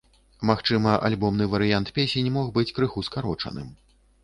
Магчыма, альбомны варыянт песень мог быць крыху скарочаным.